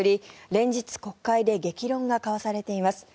連日、国会で激論が交わされています。